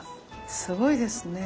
すごいですね。